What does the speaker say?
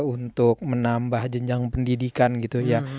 untuk menambah jinjang pendidikan gitu ya